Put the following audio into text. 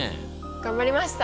頑張りました！